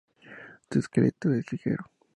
Su esqueleto es ligero.